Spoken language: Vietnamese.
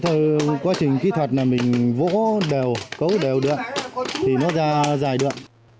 trong quá trình kỹ thuật là mình vỗ đều cấu đều được thì nó ra dài được